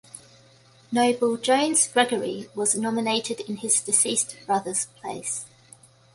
Noble Jones Gregory was nominated in his deceased brother's place.